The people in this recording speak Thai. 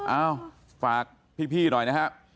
เอ้าฝากพี่หน่อยนะครับ